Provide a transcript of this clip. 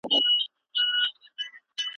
شاګرد باید د خپل لارښود مشوري په غور واوري.